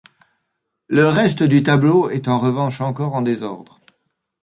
Le reste du tableau est en revanche encore en désordre.